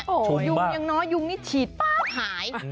โอ้โหยุงยังน้อยยุงนี่ฉีดป๊าบหาย